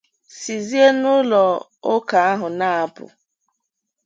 sizie n’ụlọ ụka ahụ na-apụ